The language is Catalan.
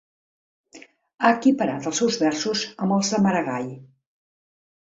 Ha equiparat els seus versos amb els de Maragall.